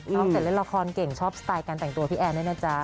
ตั้งแต่เล่นละครเก่งชอบสไตล์การแต่งตัวพี่แอนด้วยนะจ๊ะ